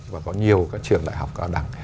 và có nhiều các trường đại học cao đẳng